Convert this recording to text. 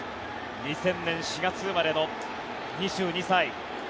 ２０００年４月生まれの２２歳。